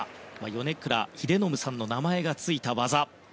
米倉英信さんの名前がついた技。